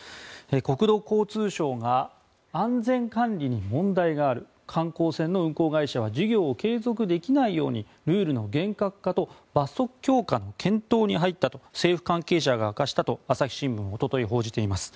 国土交通省が安全管理に問題がある観光船の運航会社は事業を継続できないようにルールの厳格化と罰則強化の検討に入ったと政府関係者が明かしたと朝日新聞はおととい報じています。